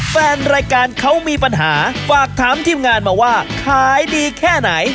แฟนรายการเขามีปัญหาฝากถามทีมงานมาว่าขายดีแค่ไหน